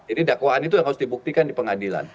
jadi dakwaan itu yang harus dibuktikan di pengadilan